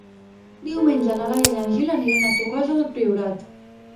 Diumenge na Laia i en Gil aniran a Torroja del Priorat.